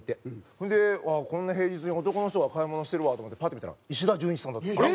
それでああこんな平日に男の人が買い物してるわと思ってパッと見たら石田純一さんだったんですよ。